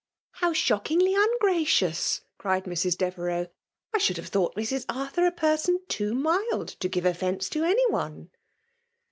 *'*' How shooldngly ungracious !" cried Mbsi Deverfeujc. " I should have thought Mu Atthur a person too mild to give, offence ik any one